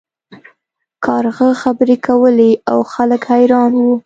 کارغه خبرې کولې او خلک حیران وو.